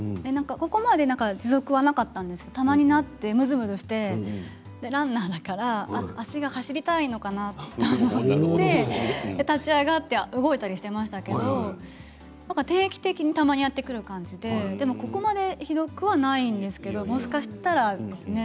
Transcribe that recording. ここまで持続はなかったんですけどたまになってムズムズしてランナーだから脚が走りたいのかな？と思って立ち上がって動いたりしていますけど定期的にたまにやってくる感じででも、ここまでひどくはないんですけどもしかしたらありますね。